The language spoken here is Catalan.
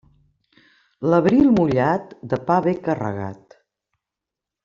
L'abril mullat, de pa ve carregat.